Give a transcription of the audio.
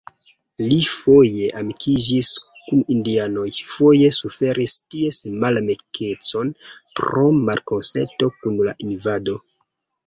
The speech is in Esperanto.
Li foje amikiĝis kun indianoj, foje suferis ties malamikecon pro malkonsento kun la invado.